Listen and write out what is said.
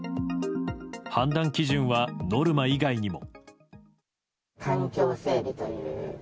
判断基準はノルマ以外にも。